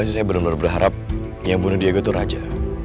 saya berharap yang bunuh dia gue tuh raja